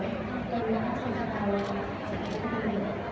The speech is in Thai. พี่แม่ที่เว้นได้รับความรู้สึกมากกว่า